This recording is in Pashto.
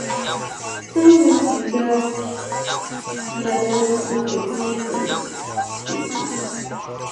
څنګه سګریټ بدن اغېزمن کوي؟